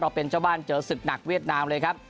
เป็นเจ้าบ้านเจอศึกหนักเวียดนามเลยครับ